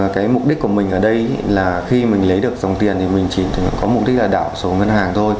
cái mục đích của mình ở đây là khi mình lấy được dòng tiền thì mình chỉ có mục đích là đảo sổ ngân hàng thôi